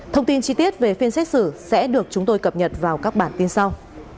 thông tin chi tiết về phiên xét xử sẽ được chúng tôi cập nhật vào các bản tin sau